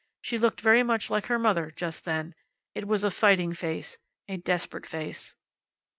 She looked very much like her mother, just then. It was a fighting face. A desperate face.